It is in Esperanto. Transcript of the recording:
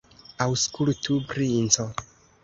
Aŭskultu, princo!